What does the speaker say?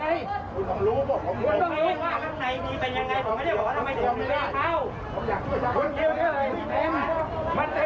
คุณไปดูแล้วทำไมไม่ถาม